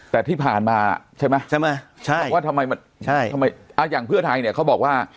แต่ที่ผ่านมาใช่ไหมใช่อย่างเพื่อไทยเนี่ยเขาบอกว่า